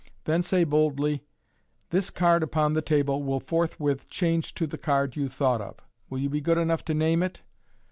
Then say boldly, " This card upon the table will forthwith change to the card you thought of. Will you be good enough to name it